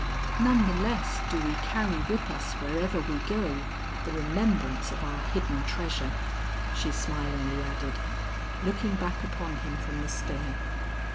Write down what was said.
"None the less do we carry with us wherever we go, the remembrance of our hidden treasure," she smilingly added, looking back upon him from the stair.